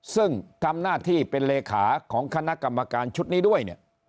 ซึ่งทำหน้าที่เป็นเลขาของคณะกรรมการชุดนี้ด้วยเนี่ย